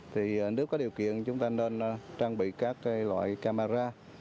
thì nếu có điều kiện chúng ta nên trang bị các loại camera